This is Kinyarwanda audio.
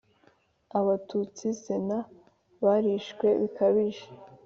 Abatutsi Sena barishwe bikabije.